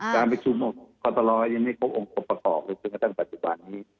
การไปชุมก่อนตลอดยังไม่พบองค์ประกอบเลยซึ่งตั้งแต่ปัจจุบันนี้